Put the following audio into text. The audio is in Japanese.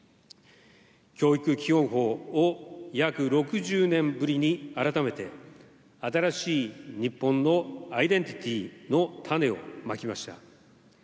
教育基本法を約６０年ぶりに改めて、新しい日本のアイデンティティの種をまきました。